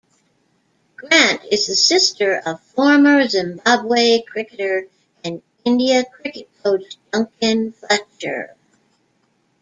Grant is the sister of former Zimbabwe cricketer and India cricket coach Duncan Fletcher.